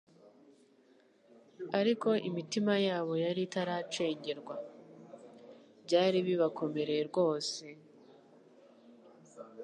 ariko imitima yabo yari itaracengerwa. Byari bibakomereye rwose